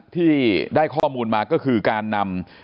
ที่ได้ข้อมูลมาก็คือการนำ